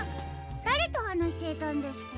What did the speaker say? だれとはなしていたんですか？